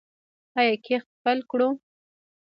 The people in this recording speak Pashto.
آیا کښت پیل کړو؟